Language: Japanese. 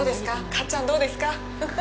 かっちゃん、どうですか？